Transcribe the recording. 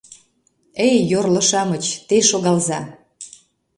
Эй, йорло-шамыч, те шогалза